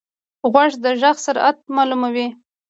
غوږ د غږ سرعت معلوموي.